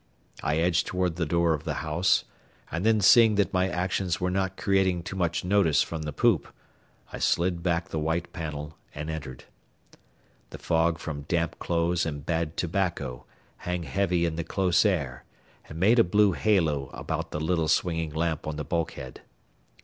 I edged toward the door of the house, and then seeing that my actions were not creating too much notice from the poop, I slid back the white panel and entered. The fog from damp clothes and bad tobacco hung heavy in the close air and made a blue halo about the little swinging lamp on the bulkhead.